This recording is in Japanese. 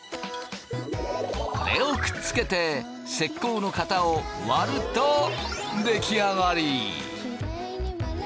これをくっつけて石膏の型を割ると出来上がり。